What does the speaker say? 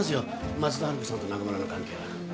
松田春子さんと中村の関係は。